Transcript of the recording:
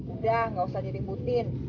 udah gak usah nyebutin